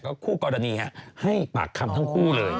คู่กรณีให้ปากคำทั้งคู่เลย